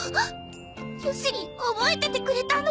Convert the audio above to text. ヨシりん覚えててくれたの？